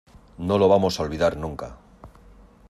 no lo vamos a olvidar nunca.